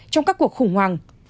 trong các cuộc khủng hoảng